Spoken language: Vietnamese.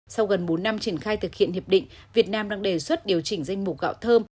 sau gần bốn năm triển khai thực hiện hiệp định việt nam đang đề xuất điều chỉnh danh mục gạo thơm